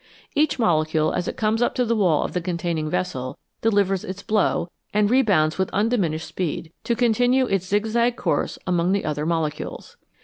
Each molecule, as it comes up to the wall of the containing vessel, delivers its blow, and rebounds with undiminished speed, to continue its zig zag course among the other molecules.